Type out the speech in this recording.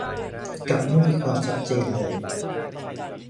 กับไม่มีความชัดเจนเลย